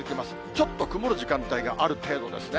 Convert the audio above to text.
ちょっと曇る時間帯がある程度ですね。